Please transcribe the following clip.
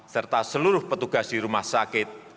serta seluruh petugas di rumah sakit